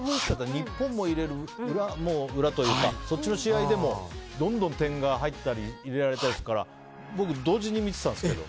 日本も入れる、裏の試合でもどんどん点が入ったり入れられてたから僕、同時に見ていたんですけど。